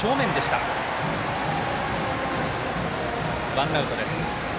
ワンアウトです。